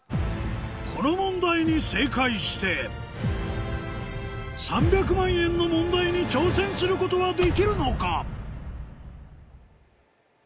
この問題に正解して３００万円の問題に挑戦することはできるのか？